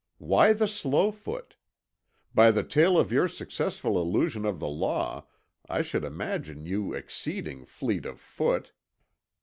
Why the Slowfoot? By the tale of your successful elusion of the law I should imagine you exceeding fleet of foot."